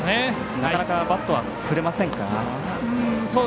なかなかバットは振れませんか。